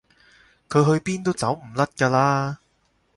佢去邊都走唔甩㗎啦